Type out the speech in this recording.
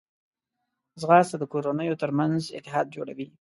ځغاسته د کورنیو ترمنځ اتحاد جوړوي